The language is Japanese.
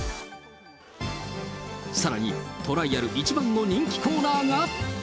さらにトライアル一番の人気コーナーが。